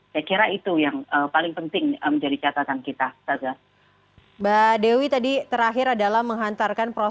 saya kira itu yang paling penting menjadi catatan kita